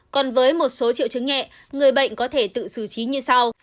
còn với một số triệu chứng nhẹ người bệnh có thể tự xử trí như sau